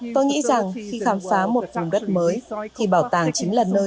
tôi nghĩ rằng khi khám phá một vùng đất mới thì bảo tàng chính là nơi